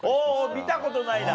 見たことないな。